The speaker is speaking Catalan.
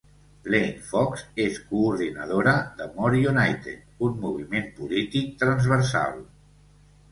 Lane Fox és coordinadora de More United, un moviment polític transversal.